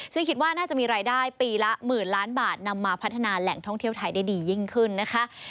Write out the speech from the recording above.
ซึ่งคิดว่าน่าจะมีรายได้ปีละหมื่นล้านบาทนำมาพัฒนาแหล่งท่องเที่ยวไทยได้ดียิ่งขึ้นนะคะ